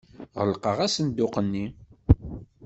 Ɣelqeɣ asenduq-nni.